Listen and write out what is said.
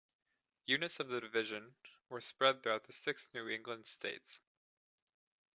Units of the division were spread throughout the six New England states.